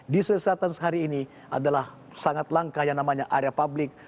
di sulawesi selatan sehari ini adalah sangat langka yang namanya area publik